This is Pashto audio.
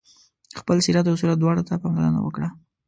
خپل سیرت او صورت دواړو ته پاملرنه وکړه.